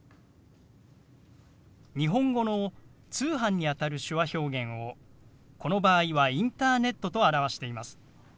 日本語の「通販」にあたる手話表現をこの場合は「インターネット」と表しています。